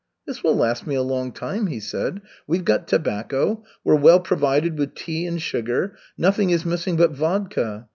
"This will last me a long time," he said. "We've got tobacco. We're well provided with tea and sugar. Nothing is missing but vodka.